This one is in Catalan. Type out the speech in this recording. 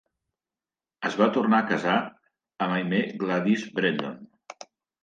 Es va tornar a casar amb Aimée Gladys Brendon.